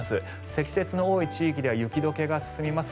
積雪の多い地域では雪解けが進みます。